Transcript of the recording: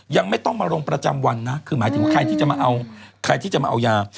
ยังไม่ต้องมาลงประจำวันนะคือหมายถึงว่าใครที่จะมาเอายา